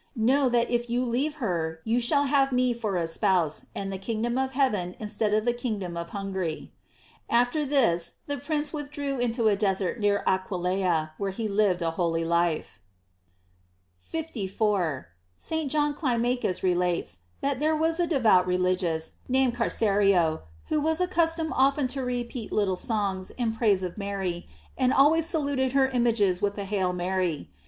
Know, that if you leave her, you shall have me for a spouse, and the kingdom of heaven instead of the kingdom of Hungary." After this the prince withdrew into a desert near Aquileia, where he lived a holy life.f 54. — St. John Clirnacus relates, that there was a devout religious, named Carcerio, who was accustomed often to repeat little songs in praise of Mary, and always saluted her images with a " Hail Mary."